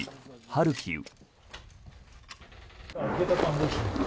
ハルキウ。